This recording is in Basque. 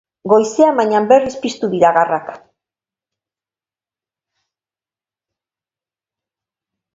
Goizean, baina, berriz piztu dira garrak.